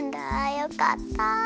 よかった！